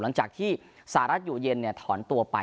หลังจากที่สหรัฐอยู่เย็นถอนตัวไป